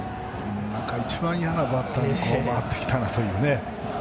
一番嫌なバッターに回ってきたなというね。